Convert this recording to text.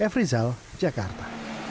efri zal jakarta